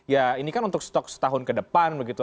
ya ini kan untuk stok setahun ke depan begitu